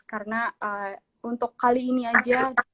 karena untuk kali ini aja